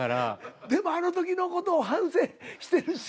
でもあの時の事を反省してるし。